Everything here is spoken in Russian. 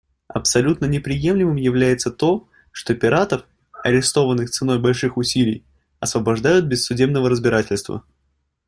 Абсолютно неприемлемым является то, что пиратов, арестованных ценой больших усилий, освобождают без судебного разбирательства.